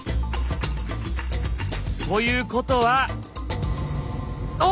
ということは。